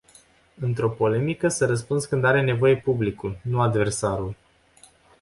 Într-o polemică să răspunzi când are nevoie publicul, nu adversarul.